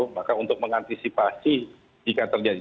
maka untuk mengantisipasi jika terjadi